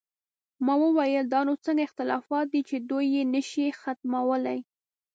ما وویل: دا نو څنګه اختلافات دي چې دوی یې نه شي ختمولی؟